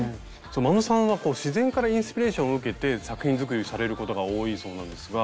眞野さんは自然からインスピレーションを受けて作品作りされることが多いそうなんですが。